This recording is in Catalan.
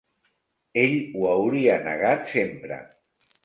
Ell ho hauria negat sempre.